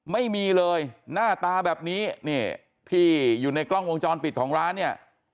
ไม่มีเลยหน้าตาแบบนี้นี่ที่อยู่ในกล้องวงจรปิดของร้านเนี่ย